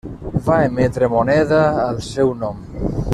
Va emetre moneda al seu nom.